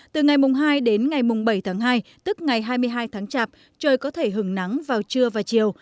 từ ngày hai đến ngày mùng bảy tháng hai tức ngày hai mươi hai tháng chạp trời có thể hứng nắng vào trưa và chiều